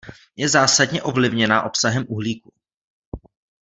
Je zásadně ovlivněna obsahem uhlíku.